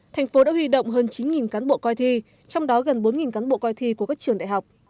thành phố đã huy động hơn chín cán bộ coi thi trong đó gần bốn cán bộ coi thi của các trường đại học